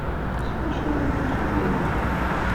S wacu ara ken-ḥelleleɣ?